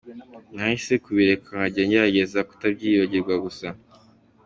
Nahisemo kubireka nkajya ngerageze kutabyibagirwa gusa.